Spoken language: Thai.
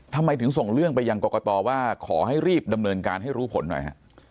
ทำไมถึงส่งเรื่องไปยังกรกตว่าขอให้รีบดำเนินการให้รู้ผลหน่อยฮะ